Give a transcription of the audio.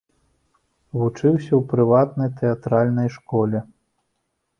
Вучыўся ў прыватнай тэатральнай школе.